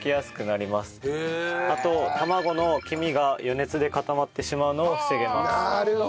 あと卵の黄身が余熱で固まってしまうのを防げます。